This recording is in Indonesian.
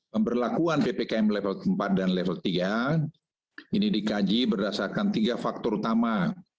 pemberlakuan ppkm level empat dan level tiga ini dikaji berdasarkan tiga faktor utama